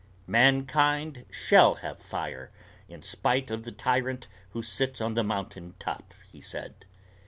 "Mankind shall have fire in spite of the tyrant who sits on the mountain top," he said.